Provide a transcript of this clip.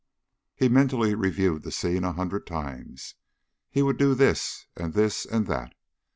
He mentally reviewed the scene a hundred times. He would do this and this and that.